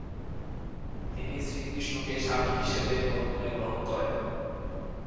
তিনি শ্রী কৃষ্ণকে স্বামী হিসেবে মনে মনে গ্রহণ করেন।